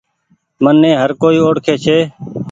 مني هر ڪوئي اوڙکي ڇي۔